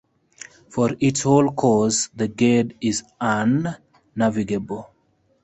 For its whole course the Gade is unnavigable.